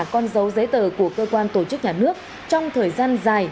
con dấu giấy tờ của cơ quan tổ chức nhà nước trong thời gian dài